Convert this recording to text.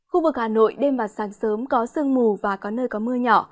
khu vực hà nội đêm và sáng sớm có sương mù và có nơi có mưa nhỏ